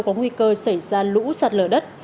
có nguy cơ xảy ra lũ sạt lở đất